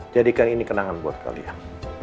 jadikan ini kenangan buat kalian